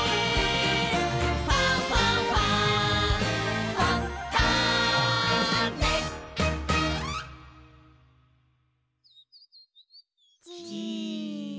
「ファンファンファン」じ！